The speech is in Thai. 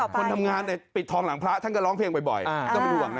คนทำงานในปิดทองหลังพระท่านก็ร้องเพลงบ่อยก็ไม่รู้หวังนะฮะ